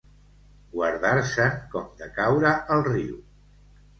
Guardar-se'n com de caure al riu.